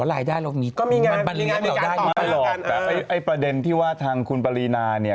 ประเด็นที่ว่าทางคุณปรินาเนี่ย